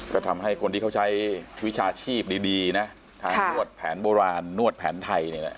ก็ทำให้คนที่เขาใช้วิชาชีพดีนะทางนวดแผนโบราณนวดแผนไทยเนี่ยนะ